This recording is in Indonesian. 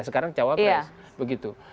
sekarang cawapres begitu